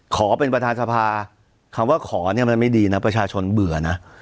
ขอเป็นประธานสภาคำว่าขอเนี่ยมันไม่ดีนะประชาชนเบื่อนะ